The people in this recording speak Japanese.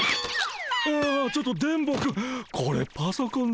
ああちょっと電ボくん